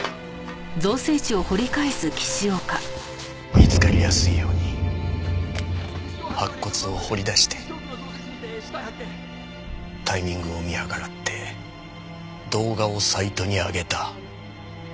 見つかりやすいように白骨を掘り出してタイミングを見計らって動画をサイトに上げた。